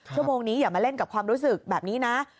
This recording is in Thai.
ชั่วโมงนี้อย่ามาเล่นกับความรู้สึกแบบนี้นะ